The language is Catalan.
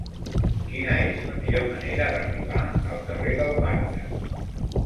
Quina és la millor manera d'arribar al carrer del Marbre?